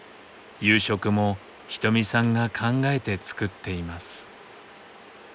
夕食もひとみさんが考えて作っています。